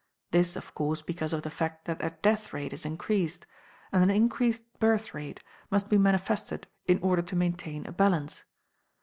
This, of course, because of the fact that their death rate is increased, and an increased birth rate must be manifested in order to maintain a balance.